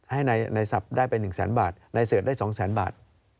ให้นายศัพท์ได้ไป๑แสนบาทนายเสิร์ฟได้๒แสนบาท